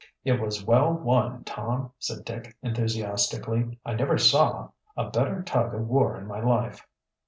"It was well won, Tom!" said Dick enthusiastically. "I never saw a better tug of war in my life."